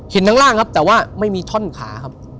ทั้งล่างครับแต่ว่าไม่มีท่อนขาครับ